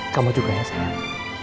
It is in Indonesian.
kamu juga ya sayang